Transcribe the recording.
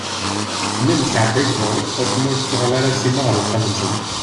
Tennum tattɛedday-d ɣur-s asma ur tettuɣal ara Sima ɣer uxxam-nsen.